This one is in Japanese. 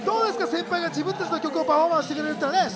先輩が自分たちの曲をパフォーマンスしてくれる、ＳｉｘＴＯＮＥＳ。